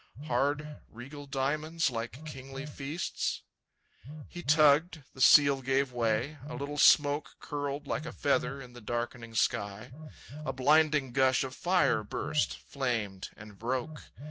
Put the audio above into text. Hard, regal diamonds, like kingly feasts? He tugged; the seal gave way. A little smoke Curled like a feather in the darkening sky. A blinding gush of fire burst, flamed, and broke.